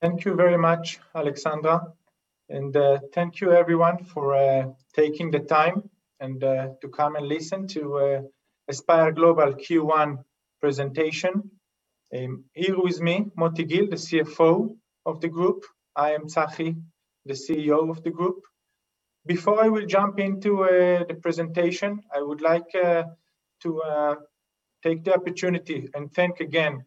Thank you very much, Alexandra. Thank you everyone for taking the time to come and listen to Aspire Global Q1 presentation. Here with me, Motti Gil, the CFO of the group. I am Tsachi, the CEO of the group. Before I will jump into the presentation, I would like to take the opportunity and thank again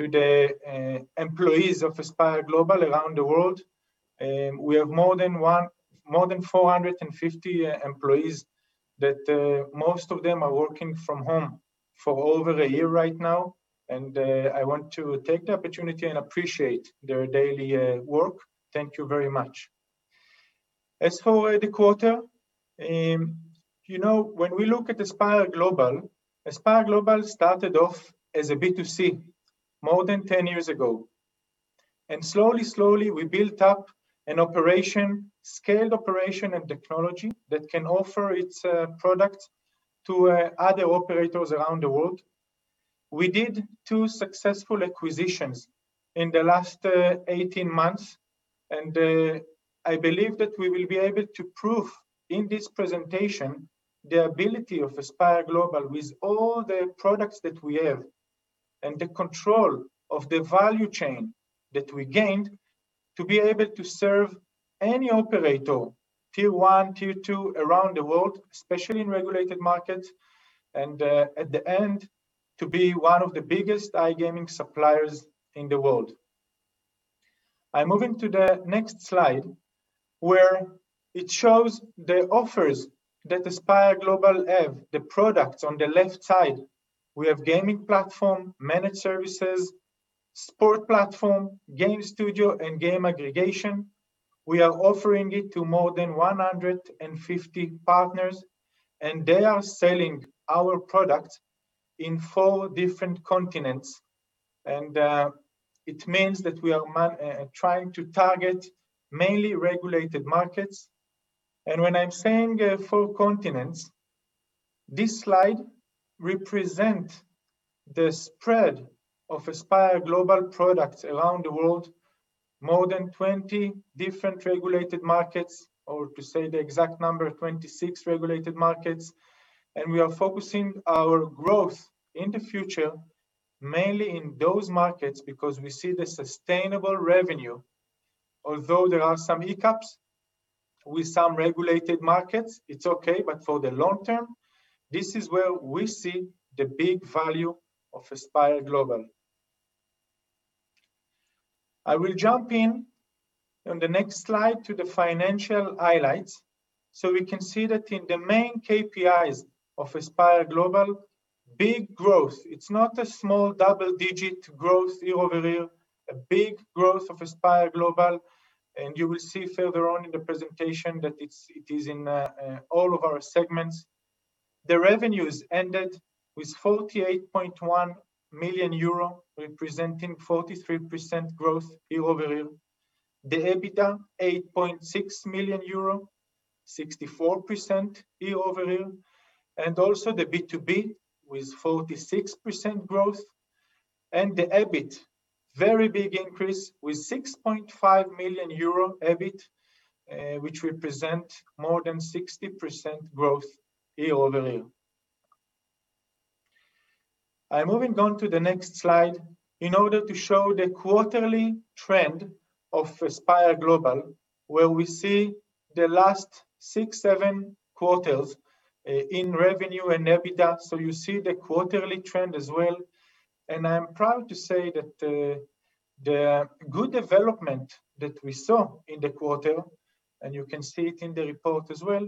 to the employees of Aspire Global around the world. We have more than 450 employees, most of them are working from home for over a year right now. I want to take the opportunity and appreciate their daily work. Thank you very much. As for the quarter, when we look at Aspire Global, Aspire Global started off as a B2C more than 10 years ago. Slowly we built up a scaled operation and technology that can offer its product to other operators around the world. We did two successful acquisitions in the last 18 months. I believe that we will be able to prove in this presentation the ability of Aspire Global with all the products that we have and the control of the value chain that we gained to be able to serve any operator, Tier 1, Tier 2, around the world, especially in regulated markets, and at the end, to be one of the biggest iGaming suppliers in the world. I'm moving to the next slide, where it shows the offers that Aspire Global have, the products on the left side. We have gaming platform, managed services, sport platform, game studio, and game aggregation. We are offering it to more than 150 partners. They are selling our product in four different continents. It means that we are trying to target mainly regulated markets. When I'm saying four continents, this slide represents the spread of Aspire Global products around the world, more than 20 different regulated markets, or to say the exact number, 26 regulated markets. We are focusing our growth in the future, mainly in those markets because we see the sustainable revenue, although there are some hiccups with some regulated markets, it's okay, but for the long term, this is where we see the big value of Aspire Global. I will jump in on the next slide to the financial highlights. We can see that in the main KPIs of Aspire Global, big growth. It's not a small double-digit growth year-over-year, a big growth of Aspire Global, you will see further on in the presentation that it is in all of our segments. The revenues ended with 48.1 million euro, representing 43% growth year-over-year. The EBITDA, EUR 8.6 million, 64% year-over-year, and also the B2B with 46% growth, and the EBIT, very big increase with 6.5 million euro EBIT, which represent more than 60% growth year-over-year. I'm moving on to the next slide in order to show the quarterly trend of Aspire Global, where we see the last six, seven quarters in revenue and EBITDA, so you see the quarterly trend as well. I'm proud to say that the good development that we saw in the quarter. You can see it in the report as well,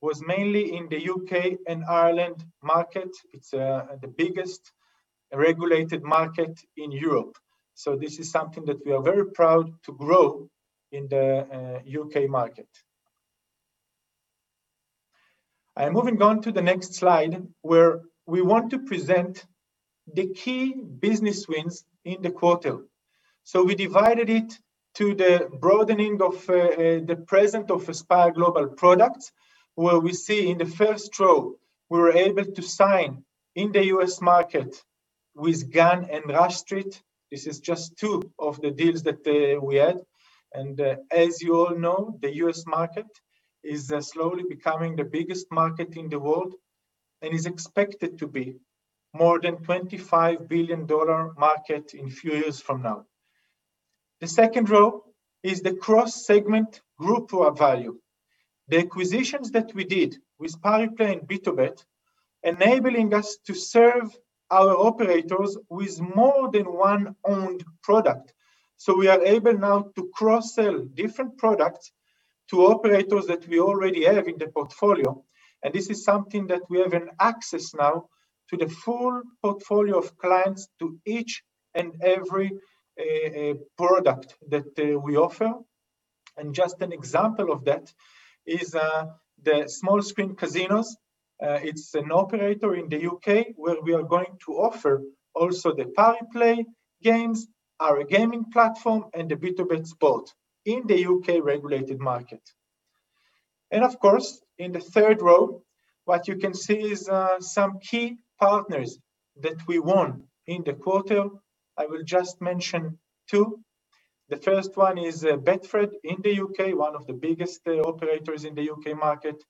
was mainly in the U.K. and Ireland market. It's the biggest regulated market in Europe. This is something that we are very proud to grow in the U.K. market. I am moving on to the next slide, where we want to present the key business wins in the quarter. We divided it to the broadening of the presence of Aspire Global products, where we see in the first row, we were able to sign in the U.S. market with GAN and Rush Street. This is just two of the deals that we had. As you all know, the U.S. market is slowly becoming the biggest market in the world and is expected to be more than $25 billion market in few years from now. The second row is the cross-segment group value. The acquisitions that we did with Pariplay and BtoBet, enabling us to serve our operators with more than one owned product. We are able now to cross-sell different products to operators that we already have in the portfolio, and this is something that we have an access now to the full portfolio of clients to each and every product that we offer. Just an example of that is the Small Screen Casinos. It's an operator in the U.K. where we are going to offer also the Pariplay games, our gaming platform, and the BtoBet Sport in the U.K. regulated market. In the third row, what you can see is some key partners that we won in the quarter. I will just mention two. The first one is Betfred in the U.K., one of the biggest operators in the U.K. market.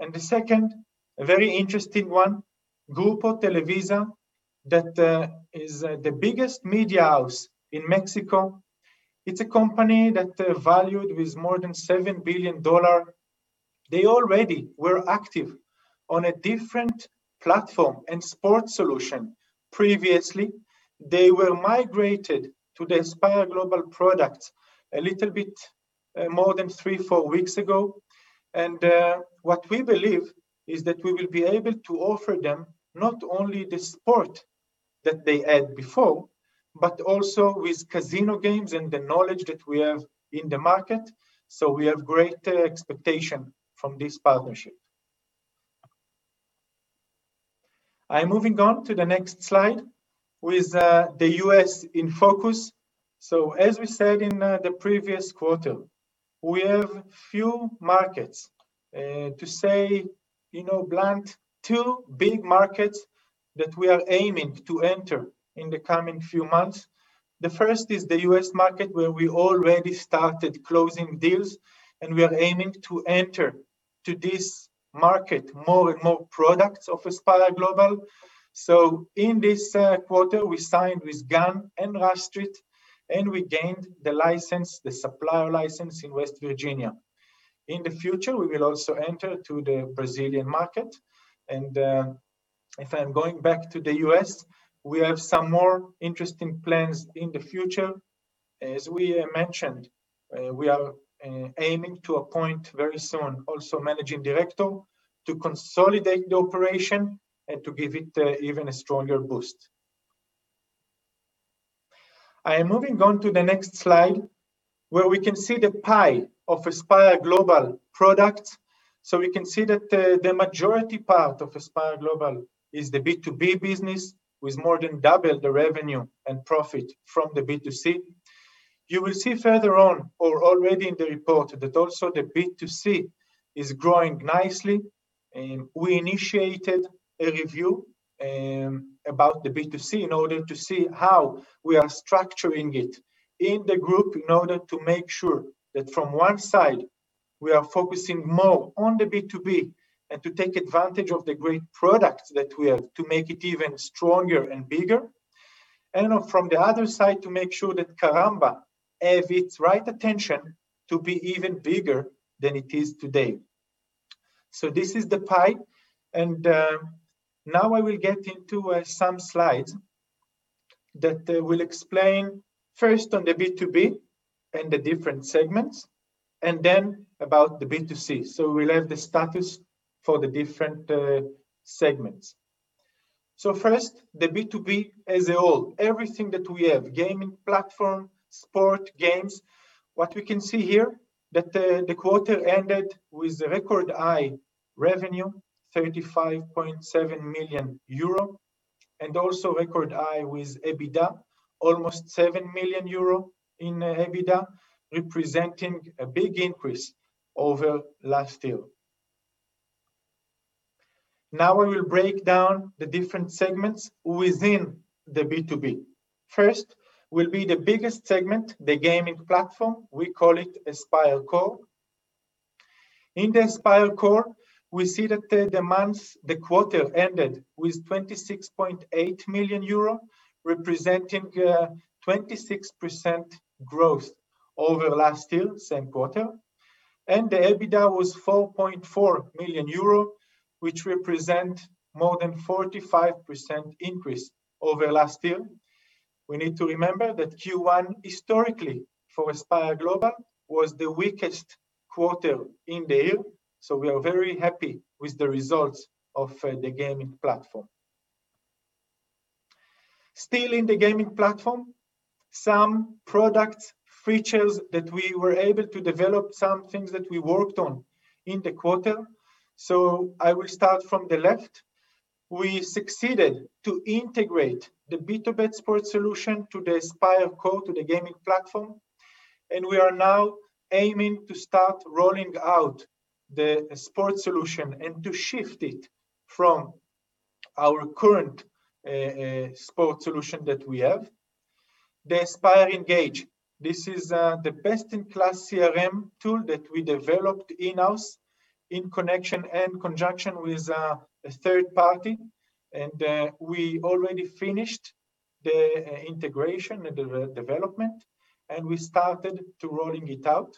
The second, a very interesting one, Grupo Televisa, that is the biggest media house in Mexico. It's a company that valued with more than $7 billion. They already were active on a different platform and sports solution previously. They were migrated to the Aspire Global products a little bit more than three, four weeks ago. What we believe is that we will be able to offer them not only the sport that they had before, but also with casino games and the knowledge that we have in the market. We have great expectation from this partnership. I am moving on to the next slide with the U.S. in focus. As we said in the previous quarter, we have few markets, to say, blunt, two big markets that we are aiming to enter in the coming few months. The first is the U.S. market, where we already started closing deals, and we are aiming to enter to this market more and more products of Aspire Global. In this quarter, we signed with GAN and Rush Street, and we gained the license, the supplier license in West Virginia. In the future, we will also enter to the Brazilian market. If I'm going back to the U.S., we have some more interesting plans in the future. As we mentioned, we are aiming to appoint very soon also managing director to consolidate the operation and to give it even a stronger boost. I am moving on to the next slide, where we can see the pie of Aspire Global products. We can see that the majority part of Aspire Global is the B2B business, with more than double the revenue and profit from the B2C. You will see further on, or already in the report, that also the B2C is growing nicely. We initiated a review about the B2C in order to see how we are structuring it in the group in order to make sure that from one side, we are focusing more on the B2B and to take advantage of the great products that we have to make it even stronger and bigger, and from the other side, to make sure that Karamba have its right attention to be even bigger than it is today. This is the pie, and now I will get into some slides that will explain first on the B2B and the different segments, and then about the B2C. We'll have the status for the different segments. First, the B2B as a whole, everything that we have, gaming platform, sport, games. What we can see here, the quarter ended with a record high revenue, 35.7 million euro, and also record high with EBITDA, almost 7 million euro in EBITDA, representing a big increase over last year. Now I will break down the different segments within the B2B. First will be the biggest segment, the gaming platform. We call it Aspire Core. In the Aspire Core, we see that the quarter ended with 26.8 million euro, representing 26% growth over last year, same quarter. The EBITDA was 4.4 million euro, which represent more than 45% increase over last year. We need to remember that Q1 historically for Aspire Global was the weakest quarter in the year, we are very happy with the results of the gaming platform. Still in the gaming platform, some product features that we were able to develop, some things that we worked on in the quarter. I will start from the left. We succeeded to integrate the BtoBet sports solution to the Aspire Core to the gaming platform, and we are now aiming to start rolling out the sports solution and to shift it from our current sports solution that we have. The AspireEngage. This is the best-in-class CRM tool that we developed in-house in connection and conjunction with a third party. We already finished the integration and the development, and we started to rolling it out.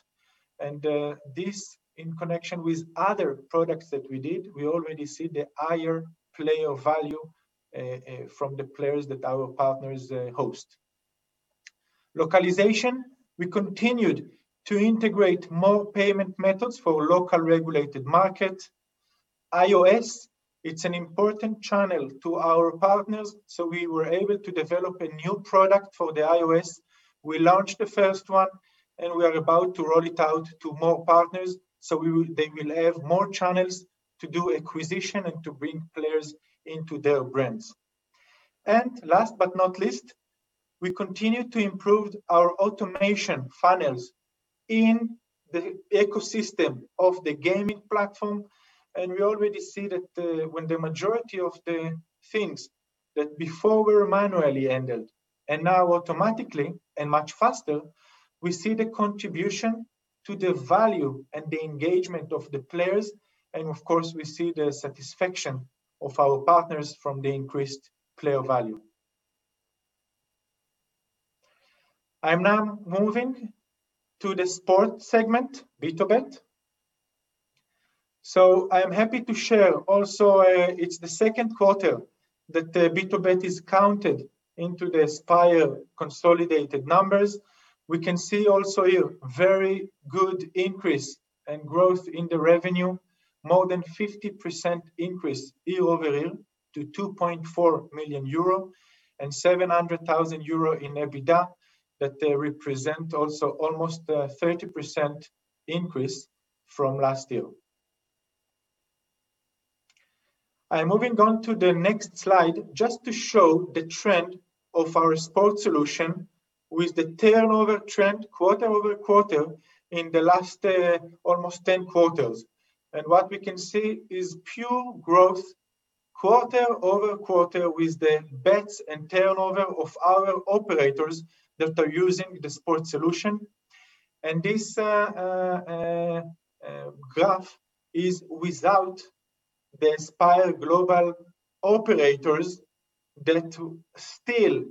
This in connection with other products that we did, we already see the higher player value from the players that our partners host. Localization. We continued to integrate more payment methods for local regulated market. iOS, it's an important channel to our partners, so we were able to develop a new product for the iOS. We launched the first one, and we are about to roll it out to more partners, so they will have more channels to do acquisition and to bring players into their brands. Last but not least, we continue to improve our automation funnels in the ecosystem of the gaming platform. We already see that when the majority of the things that before were manually handled and now automatically and much faster, we see the contribution to the value and the engagement of the players, and of course, we see the satisfaction of our partners from the increased player value. I'm now moving to the sports segment, BtoBet. I am happy to share also, it's the second quarter that BtoBet is counted into the Aspire consolidated numbers. We can see also a very good increase and growth in the revenue. More than 50% increase year-over-year to 2.4 million euro, 700,000 euro in EBITDA that represent also almost a 30% increase from last year. I am moving on to the next slide just to show the trend of our sports solution with the turnover trend quarter-over-quarter in the last almost 10 quarters. What we can see is pure growth quarter-over-quarter with the bets and turnover of our operators that are using the sports solution. This graph is without the Aspire Global operators that still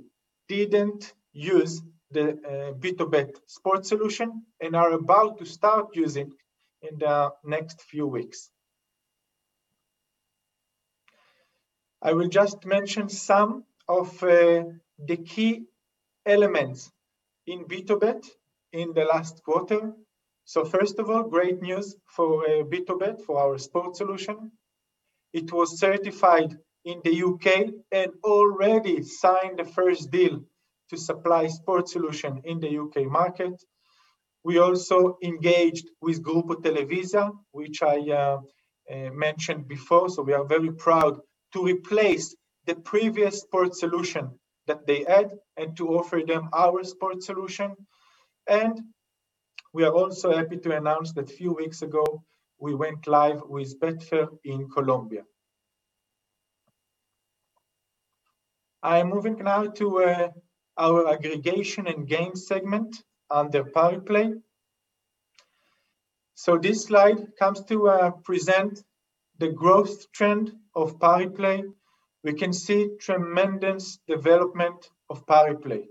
didn't use the BtoBet sports solution and are about to start using in the next few weeks. I will just mention some of the key elements in BtoBet in the last quarter. First of all, great news for BtoBet, for our sports solution. It was certified in the U.K. and already signed the first deal to supply sports solution in the U.K. market. We also engaged with Grupo Televisa, which I mentioned before. We are very proud to replace the previous sports solution that they had and to offer them our sports solution. We are also happy to announce that few weeks ago, we went live with Betfair in Colombia. I am moving now to our aggregation and games segment under Pariplay. This slide comes to present the growth trend of Pariplay. We can see tremendous development of Pariplay.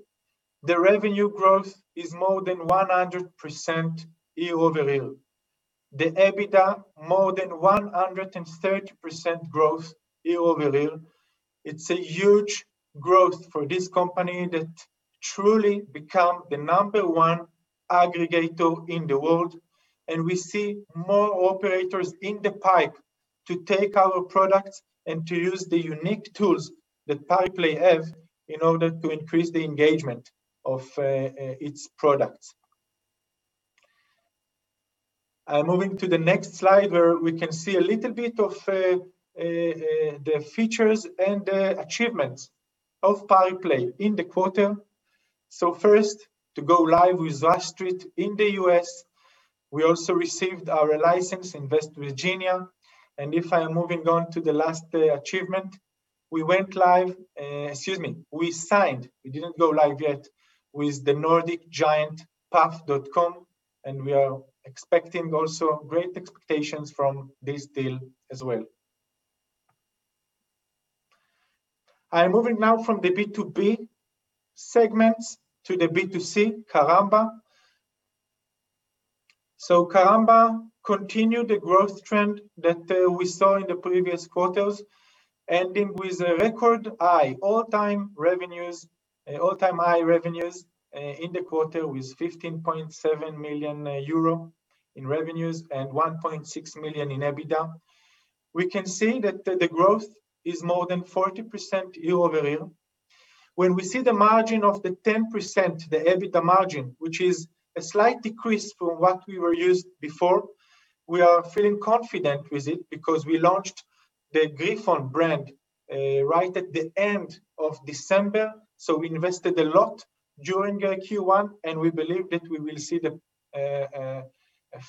The revenue growth is more than 100% year-over-year. The EBITDA more than 130% growth year-over-year. It's a huge growth for this company that truly become the number one aggregator in the world. We see more operators in the pipe to take our products and to use the unique tools that Pariplay have in order to increase the engagement of its products. I am moving to the next slide where we can see a little bit of the features and the achievements of Pariplay in the quarter. First, to go live with Rush Street in the U.S. We also received our license in West Virginia. If I am moving on to the last achievement, we signed, we didn't go live yet, with the Nordic giant Paf.com. We are expecting also great expectations from this deal as well. I am moving now from the B2B segments to the B2C, Karamba. Karamba continued the growth trend that we saw in the previous quarters, ending with record high all-time revenues in the quarter with 15.7 million euro in revenues and 1.6 million in EBITDA. We can see that the growth is more than 40% year-over-year. When we see the margin of the 10%, the EBITDA margin, which is a slight decrease from what we were used before, we are feeling confident with it because we launched the Griffon brand right at the end of December. We invested a lot during Q1, and we believe that we will see the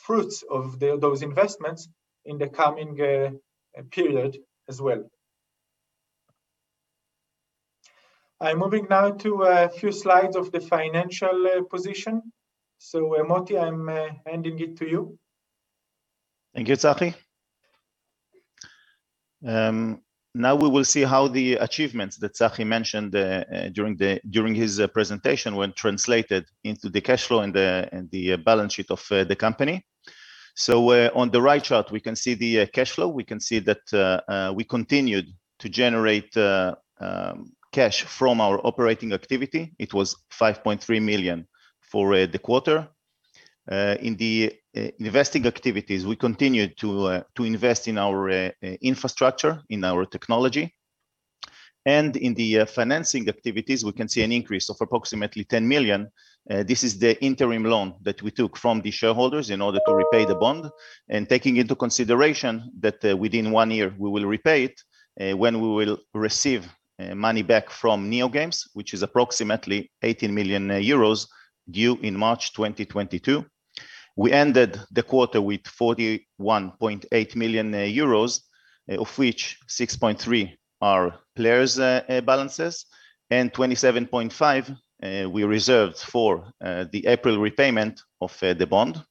fruits of those investments in the coming period as well. I am moving now to a few slides of the financial position. Motti, I am handing it to you. Thank you, Tsachi. Now we will see how the achievements that Tsachi mentioned during his presentation when translated into the cash flow and the balance sheet of the company. On the right chart, we can see the cash flow. We can see that we continued to generate cash from our operating activity. It was 5.3 million for the quarter. In the investing activities, we continued to invest in our infrastructure, in our technology. In the financing activities, we can see an increase of approximately 10 million. This is the interim loan that we took from the shareholders in order to repay the bond. Taking into consideration that within one year we will repay it when we will receive money back from NeoGames, which is approximately 18 million euros due in March 2022. We ended the quarter with 41.8 million euros, of which 6.3 million are players' balances and 27.5 million we reserved for the April repayment of the bond.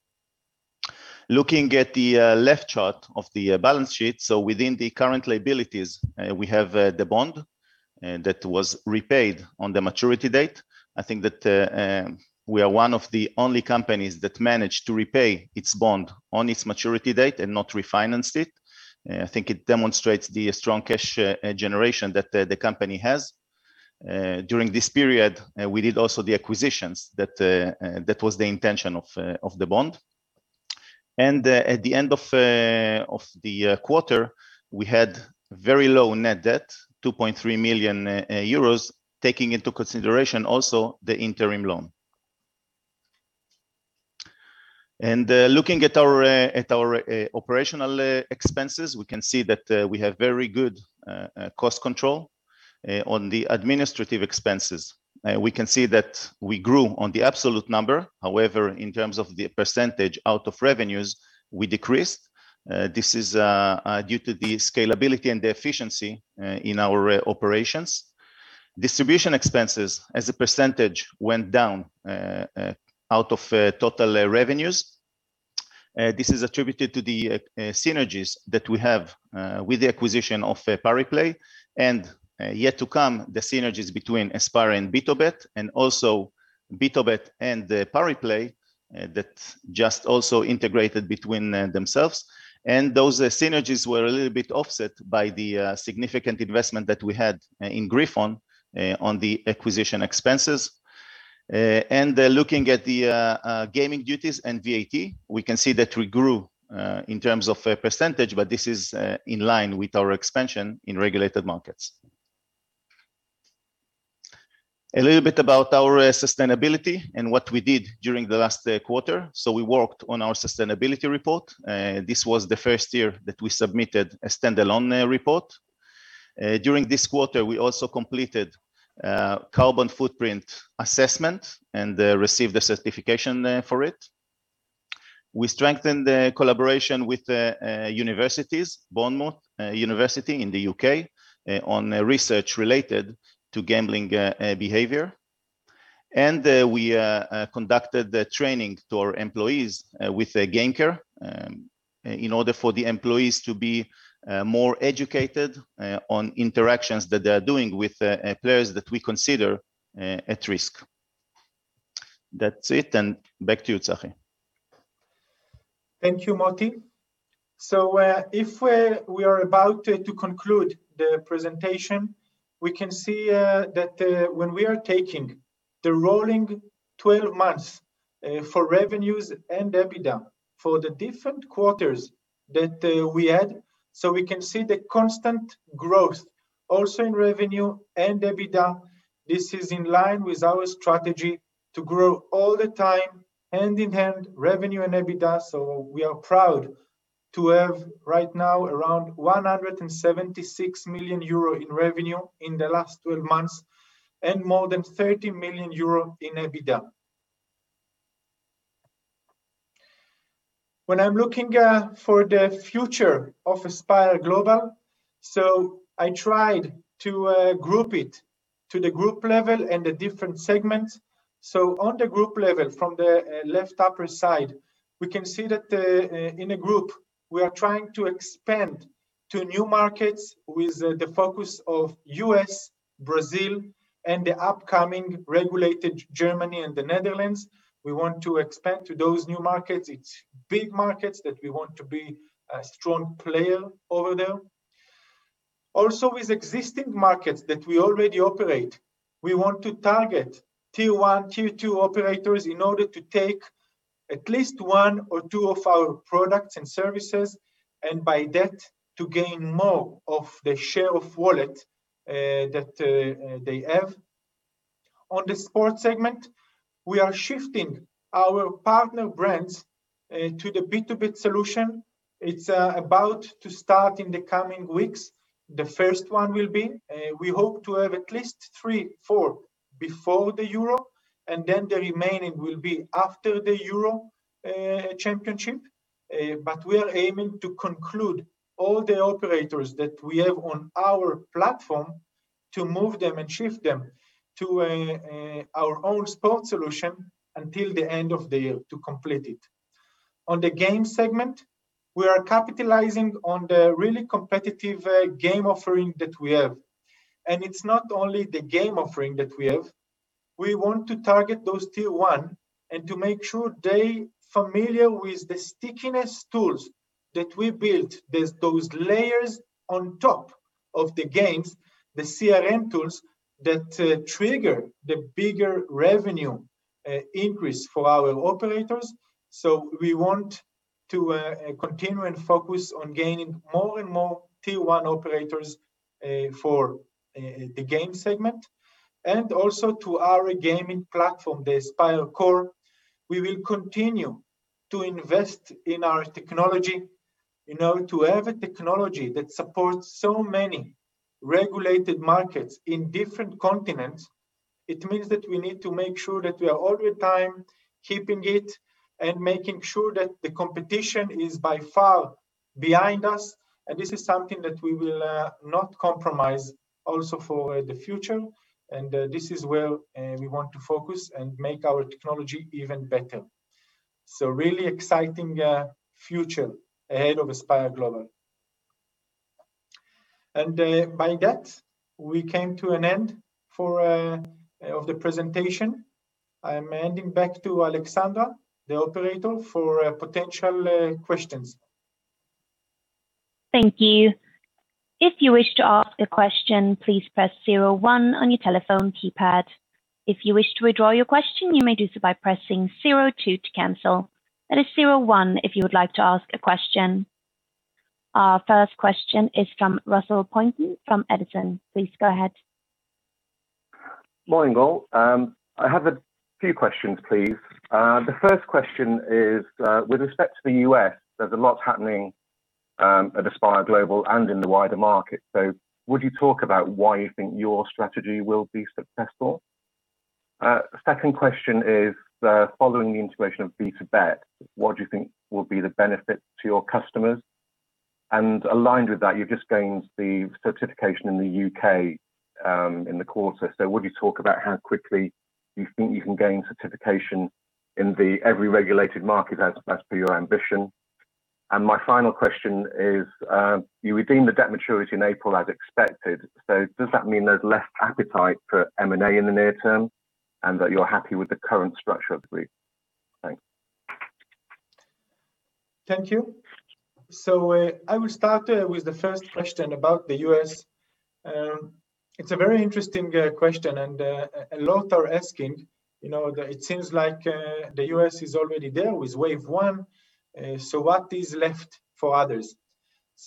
Looking at the left chart of the balance sheet, within the current liabilities, we have the bond that was repaid on the maturity date. I think that we are one of the only companies that managed to repay its bond on its maturity date and not refinance it. I think it demonstrates the strong cash generation that the company has. During this period, we did also the acquisitions, that was the intention of the bond. At the end of the quarter, we had very low net debt, 2.3 million euros, taking into consideration also the interim loan. Looking at our operational expenses, we can see that we have very good cost control on the administrative expenses. We can see that we grew on the absolute number. However, in terms of the % out of revenues, we decreased. This is due to the scalability and the efficiency in our operations. Distribution expenses as a % went down out of total revenues. This is attributed to the synergies that we have with the acquisition of Pariplay, and yet to come, the synergies between Aspire and BtoBet and also BtoBet and Pariplay, that just also integrated between themselves. Those synergies were a little bit offset by the significant investment that we had in Griffon on the acquisition expenses. Looking at the gaming duties and VAT, we can see that we grew in terms of %, but this is in line with our expansion in regulated markets. A little bit about our sustainability and what we did during the last quarter. We worked on our sustainability report. This was the first year that we submitted a standalone report. During this quarter, we also completed carbon footprint assessment and received a certification for it. We strengthened the collaboration with universities, Bournemouth University in the U.K., on research related to gambling behavior. We conducted training to our employees with GamCare, in order for the employees to be more educated on interactions that they are doing with players that we consider at risk. That's it, and back to you, Tsachi. Thank you, Motti. If we are about to conclude the presentation, we can see that when we are taking the rolling 12 months for revenues and EBITDA for the different quarters that we had, we can see the constant growth also in revenue and EBITDA. This is in line with our strategy to grow all the time hand in hand, revenue and EBITDA. We are proud to have right now around 176 million euro in revenue in the last 12 months and more than 30 million euro in EBITDA. When I'm looking for the future of Aspire Global, I tried to group it to the group level and the different segments. On the group level, from the left upper side, we can see that in the group, we are trying to expand to new markets with the focus of U.S., Brazil, and the upcoming regulated Germany and the Netherlands. We want to expand to those new markets. It's big markets that we want to be a strong player over there. Also, with existing markets that we already operate, we want to target Tier 1, Tier 2 operators in order to take at least one or two of our products and services, and by that, to gain more of the share of wallet that they have. On the sport segment, we are shifting our partner brands to the B2B solution. It's about to start in the coming weeks. The first one will be. We hope to have at least three, four before the Euro, then the remaining will be after the Euro Championship. We are aiming to conclude all the operators that we have on our platform to move them and shift them to our own sport solution until the end of the year to complete it. On the game segment, we are capitalizing on the really competitive game offering that we have. It's not only the game offering that we have. We want to target those Tier 1 and to make sure they familiar with the stickiness tools that we built, those layers on top of the games, the CRM tools that trigger the bigger revenue increase for our operators. We want to continue and focus on gaining more and more Tier 1 operators for the game segment. Also to our gaming platform, the Aspire Core, we will continue to invest in our technology. To have a technology that supports so many regulated markets in different continents, it means that we need to make sure that we are all the time keeping it and making sure that the competition is by far behind us. This is something that we will not compromise also for the future. This is where we want to focus and make our technology even better. Really exciting future ahead of Aspire Global. By that, we came to an end of the presentation. I am handing back to Alexandra, the operator, for potential questions. Thank you. If you wish to ask a question, please press zero one on your telephone keypad. If you wish to withdraw your question, you may do so by pressing zero two to cancel. That is zero one if you would like to ask a question. Our first question is from Russell Pointon from Edison. Please go ahead. Morning all. I have a few questions, please. The first question is, with respect to the U.S., there's a lot happening, at Aspire Global and in the wider market. Would you talk about why you think your strategy will be successful? Second question is, following the integration of BtoBet, what do you think will be the benefit to your customers? Aligned with that, you've just gained the certification in the U.K., in the quarter. Would you talk about how quickly you think you can gain certification in every regulated market, as per your ambition? And my final question is, you redeemed the debt maturity in April as expected. Does that mean there's less appetite for M&A in the near term, and that you're happy with the current structure of the group? Thanks. Thank you. I will start with the first question about the U.S. It's a very interesting question, and a lot are asking. It seems like the U.S. is already there with wave one, what is left for others?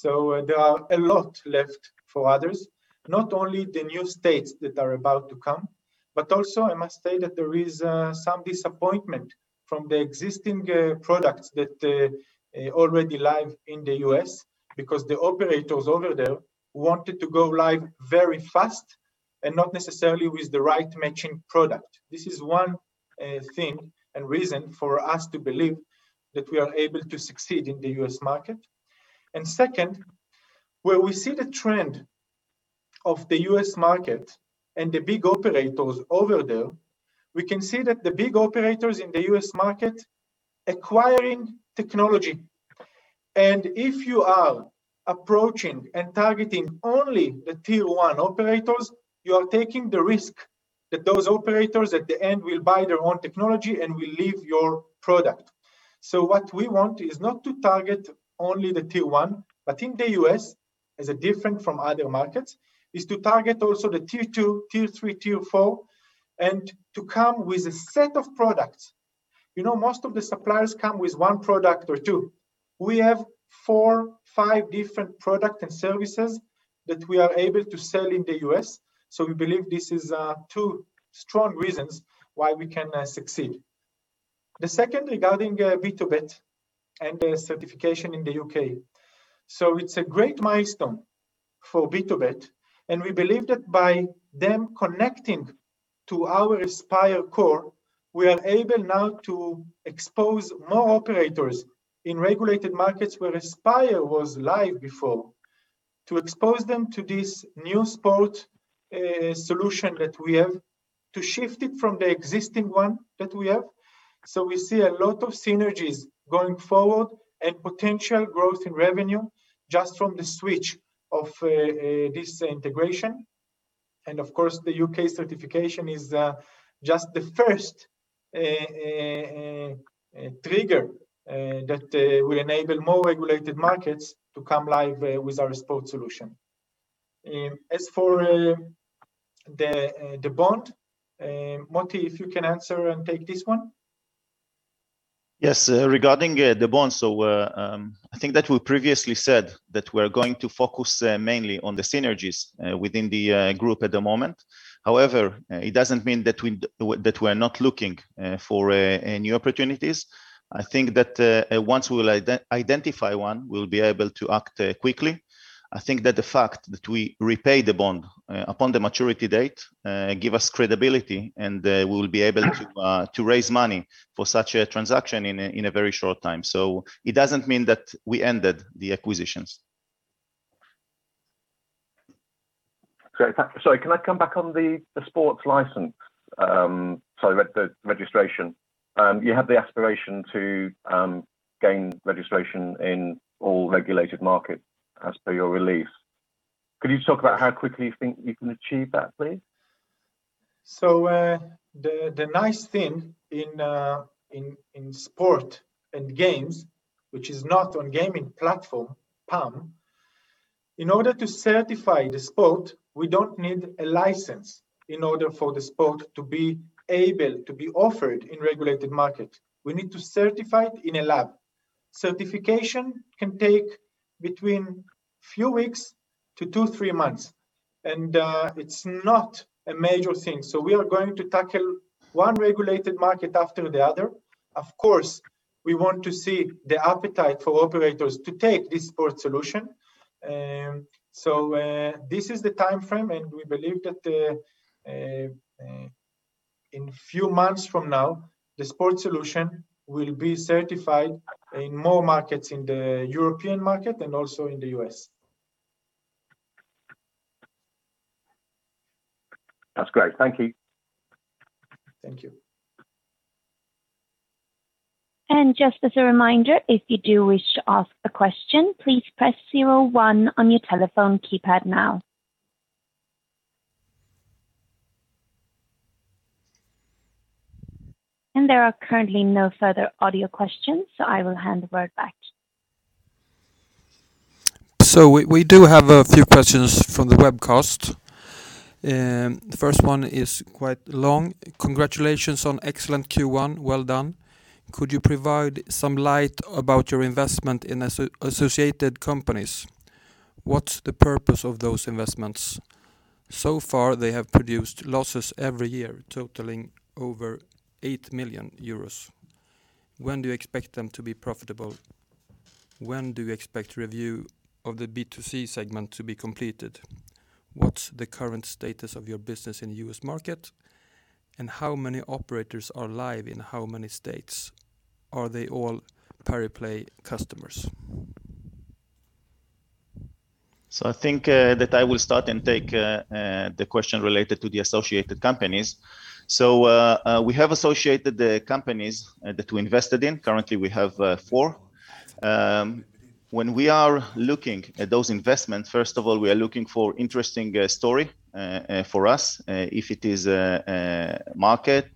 There are a lot left for others. Not only the new states that are about to come, but also, I must say that there is some disappointment from the existing products that already live in the U.S. because the operators over there wanted to go live very fast and not necessarily with the right matching product. This is one thing and reason for us to believe that we are able to succeed in the U.S. market. Second, where we see the trend of the U.S. market and the big operators over there, we can see that the big operators in the U.S. market acquiring technology. If you are approaching and targeting only the Tier 1 operators, you are taking the risk that those operators at the end will buy their own technology and will leave your product. What we want is not to target only the Tier 1, but in the U.S., as is different from other markets, is to target also the Tier 2, Tier 3, Tier 4, and to come with a set of products. Most of the suppliers come with one product or two. We have four, five different product and services that we are able to sell in the U.S. We believe this is two strong reasons why we can succeed. The second regarding BtoBet and the certification in the U.K. It's a great milestone for BtoBet, and we believe that by them connecting to our Aspire Core, we are able now to expose more operators in regulated markets where Aspire was live before, to expose them to this new sport solution that we have, to shift it from the existing one that we have. We see a lot of synergies going forward and potential growth in revenue just from the switch of this integration. Of course, the U.K. certification is just the first trigger that will enable more regulated markets to come live with our sports solution. As for the bond, Motti, if you can answer and take this one. Yes. Regarding the bond, I think that we previously said that we're going to focus mainly on the synergies within the group at the moment. However, it doesn't mean that we're not looking for new opportunities. I think that, once we will identify one, we'll be able to act quickly. I think that the fact that we repay the bond upon the maturity date gives us credibility, and we will be able to raise money for such a transaction in a very short time. It doesn't mean that we ended the acquisitions. Great. Sorry, can I come back on the sports license? Sorry, the registration. You have the aspiration to gain registration in all regulated markets as per your release. Could you talk about how quickly you think you can achieve that, please? The nice thing in sport and games, which is not on iGaming platform, PAM, in order to certify the sport, we don't need a license in order for the sport to be able to be offered in regulated market. We need to certify it in a lab. Certification can take between few weeks to two, three months, and it's not a major thing. We want to see the appetite for operators to take this sports solution. This is the timeframe, and we believe that in few months from now, the sports solution will be certified in more markets in the European market and also in the U.S. That's great. Thank you. Thank you. Just as a reminder, if you do wish to ask a question, please press zero one on your telephone keypad now. There are currently no further audio questions, so I will hand the word back. We do have a few questions from the webcast. The first one is quite long. Congratulations on excellent Q1. Well done. Could you provide some light about your investment in associated companies? What's the purpose of those investments? So far, they have produced losses every year totaling over 8 million euros. When do you expect them to be profitable? When do you expect review of the B2C segment to be completed? What's the current status of your business in the U.S. market, and how many operators are live in how many states? Are they all Pariplay customers? I think that I will start and take the question related to the associated companies. We have associated the companies that we invested in. Currently, we have four. When we are looking at those investments, first of all, we are looking for interesting story for us, if it is a market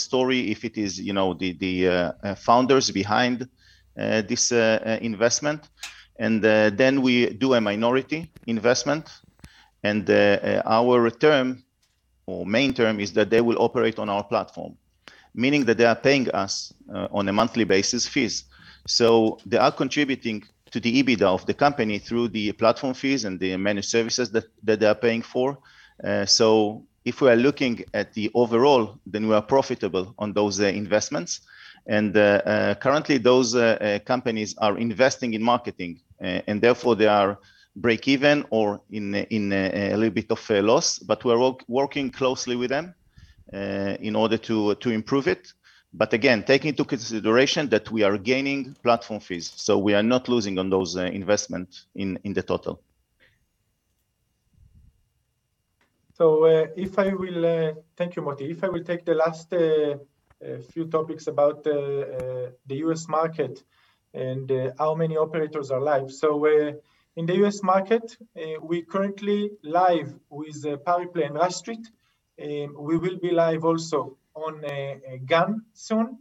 story, if it is the founders behind this investment. Then we do a minority investment, and our return or main term is that they will operate on our platform, meaning that they are paying us on a monthly basis fees. They are contributing to the EBITDA of the company through the platform fees and the managed services that they are paying for. If we are looking at the overall, then we are profitable on those investments. Currently, those companies are investing in marketing, and therefore they are break even or in a little bit of a loss, but we're working closely with them in order to improve it. Again, taking into consideration that we are gaining platform fees, so we are not losing on those investments in the total. Thank you, Motti. I will take the last few topics about the U.S. market and how many operators are live. In the U.S. market, we currently live with Pariplay and Rush Street. We will be live also on a GAN soon.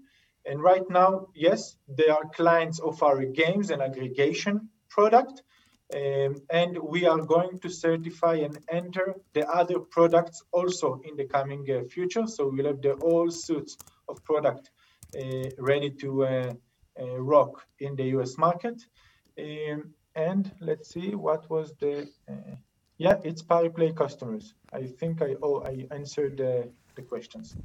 Right now, yes, they are clients of our games and aggregation product, and we are going to certify and enter the other products also in the coming future. We will have the whole suite of product ready to rock in the U.S. market. Let's see, Yeah, it's Pariplay customers. I think I answered the questions.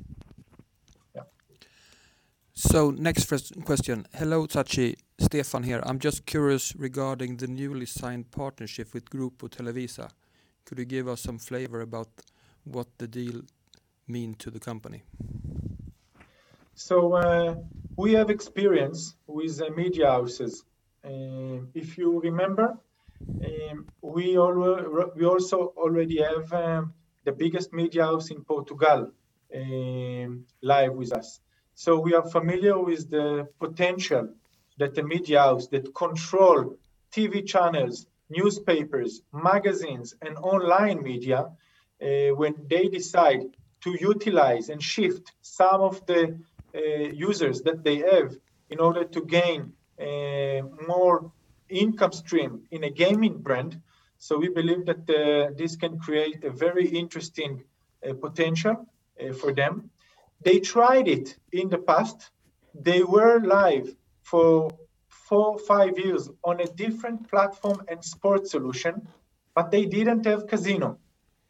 Next question. Hello, Tsachi. Stefan here. I'm just curious regarding the newly signed partnership with Grupo Televisa. Could you give us some flavor about what the deal mean to the company? We have experience with media houses. If you remember, we also already have the biggest media house in Portugal live with us. We are familiar with the potential that the media house that control TV channels, newspapers, magazines, and online media, when they decide to utilize and shift some of the users that they have in order to gain more income stream in a gaming brand. We believe that this can create a very interesting potential for them. They tried it in the past. They were live for four, five years on a different platform and sports solution, but they didn't have casino,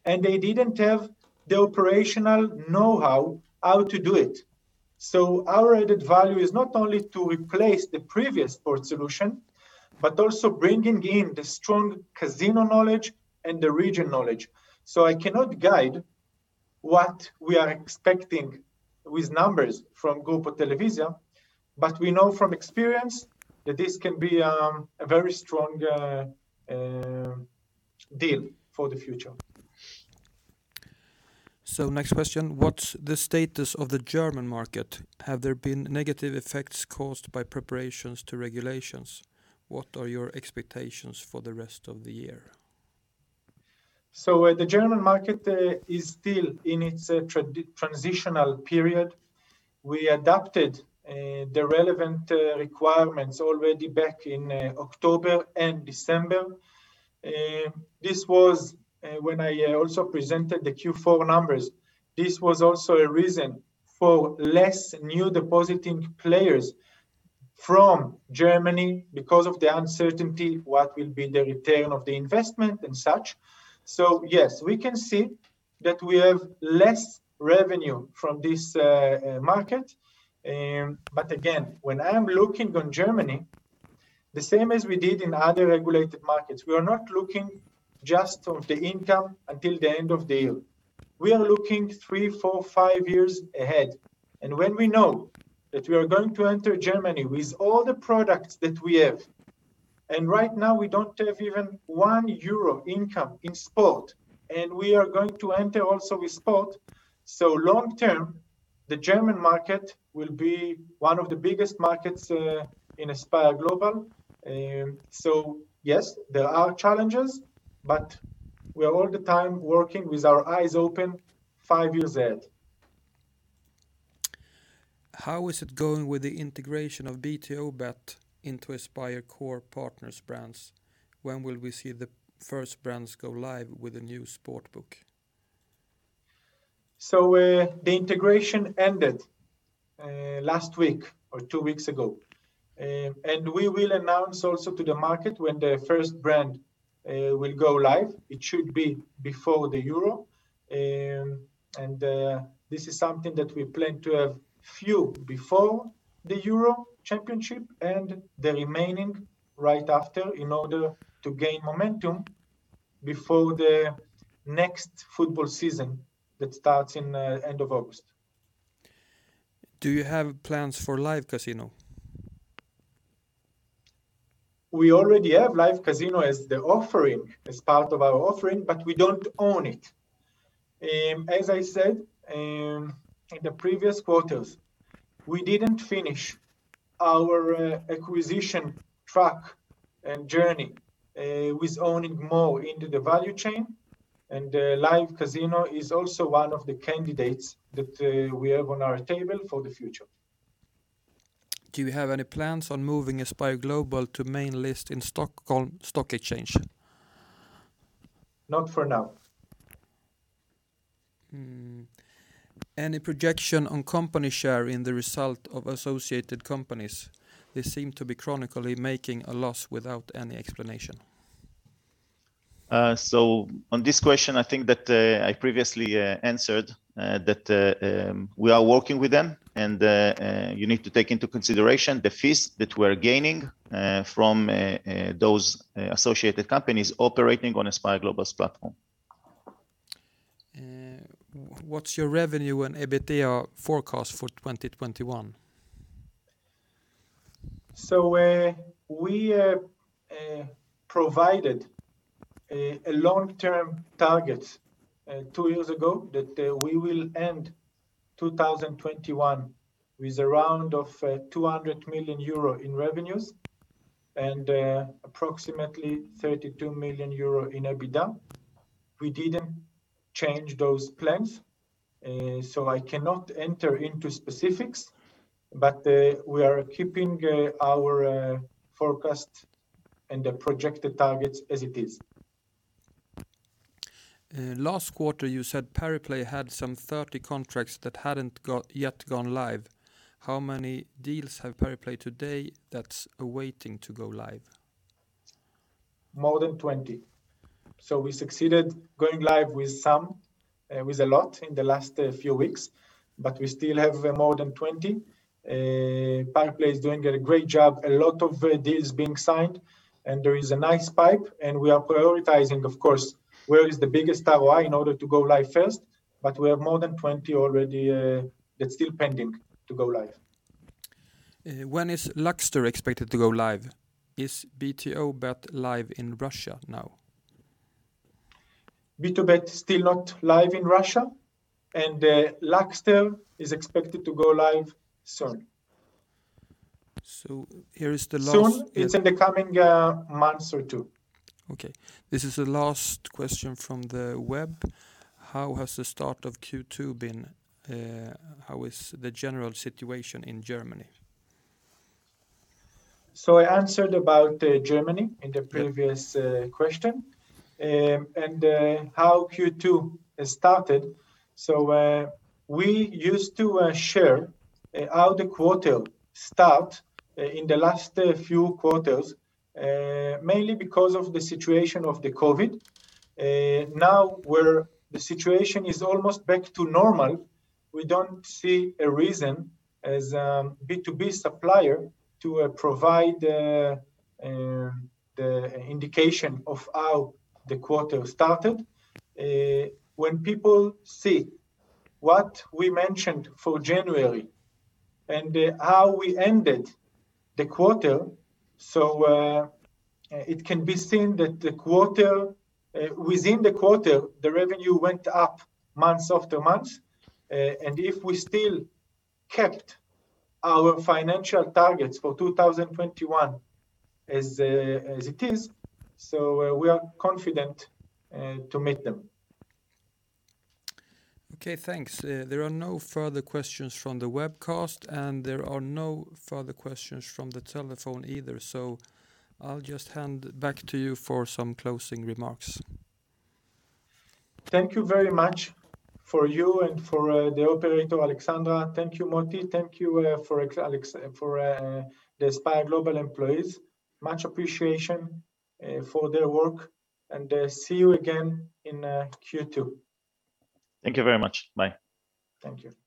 and they didn't have the operational know-how how to do it. Our added value is not only to replace the previous sports solution, but also bringing in the strong casino knowledge and the region knowledge. I cannot guide what we are expecting with numbers from Grupo Televisa, but we know from experience that this can be a very strong deal for the future. Next question. What is the status of the German market? Have there been negative effects caused by preparations to regulations? What are your expectations for the rest of the year? The German market is still in its transitional period. We adapted the relevant requirements already back in October and December. This was when I also presented the Q4 numbers. This was also a reason for less new depositing players from Germany because of the uncertainty, what will be the return of the investment and such. Yes, we can see that we have less revenue from this market. Again, when I am looking on Germany, the same as we did in other regulated markets, we are not looking just of the income until the end of the year. We are looking three, four, five years ahead. When we know that we are going to enter Germany with all the products that we have, and right now we don't have even one EUR income in sport, and we are going to enter also with sport. Long term, the German market will be one of the biggest markets in Aspire Global. Yes, there are challenges, but we are all the time working with our eyes open, five years ahead. How is it going with the integration of BtoBet into Aspire Core partners brands? When will we see the first brands go live with the new sportsbook? The integration ended last week or two weeks ago. We will announce also to the market when the first brand will go live. It should be before the Euro. This is something that we plan to have few before the Euro Championship and the remaining right after in order to gain momentum before the next football season that starts in end of August. Do you have plans for live casino? We already have live casino as part of our offering, we don't own it. As I said in the previous quarters, we didn't finish our acquisition track and journey, with owning more into the value chain. Live casino is also one of the candidates that we have on our table for the future. Do you have any plans on moving Aspire Global to main list in Stockholm Stock Exchange? Not for now. Any projection on company share in the result of associated companies? They seem to be chronically making a loss without any explanation. On this question, I think that I previously answered that we are working with them and you need to take into consideration the fees that we're gaining from those associated companies operating on Aspire Global's platform. What's your revenue and EBITDA forecast for 2021? We provided a long-term target two years ago that we will end 2021 with around of 200 million euro in revenues and approximately 32 million euro in EBITDA. We didn't change those plans, so I cannot enter into specifics, but we are keeping our forecast and the projected targets as it is. Last quarter, you said Pariplay had some 30 contracts that hadn't yet gone live. How many deals have Pariplay today that's awaiting to go live? More than 20. We succeeded going live with a lot in the last few weeks, but we still have more than 20. Pariplay is doing a great job. A lot of deals being signed, and there is a nice pipe and we are prioritizing of course, where is the biggest ROI in order to go live first. We have more than 20 already that's still pending to go live. When is Luckster expected to go live? Is BtoBet live in Russia now? BtoBet still not live in Russia. Luckster is expected to go live soon. So here is the last. Soon is in the coming months or two. Okay. This is the last question from the web. How has the start of Q2 been? How is the general situation in Germany? I answered about Germany in the previous question. How Q2 started. We used to share how the quarter started in the last few quarters, mainly because of the situation of the COVID. Now where the situation is almost back to normal, we don't see a reason as a B2B supplier to provide the indication of how the quarter started. When people see what we mentioned for January and how we ended the quarter, so it can be seen that within the quarter, the revenue went up month after month. If we still kept our financial targets for 2021 as it is, so we are confident to meet them. Okay, thanks. There are no further questions from the webcast, and there are no further questions from the telephone either. I'll just hand back to you for some closing remarks. Thank you very much for you and for the operator, Alexandra. Thank you, Motti. Thank you for the Aspire Global employees. Much appreciation for their work, and see you again in Q2. Thank you very much. Bye. Thank you.